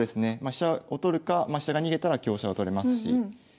飛車を取るかま飛車が逃げたら香車を取れますし。